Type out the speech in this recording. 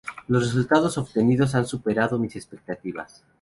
Los resultados obtenidos han superado mis expectativas.